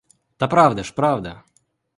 Та правда ж, правда.